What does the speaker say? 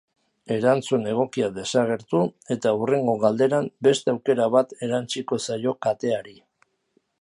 Erantzun egokia desagertu eta hurrengo galderan beste aukera bat erantsiko zaio kateari.